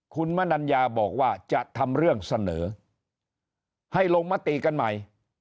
คุณมนัญญาบอกว่าจะทำเรื่องเสนอให้ลงมติกันใหม่